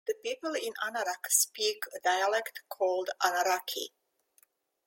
The people in Anarak speak a dialect called Anaraki.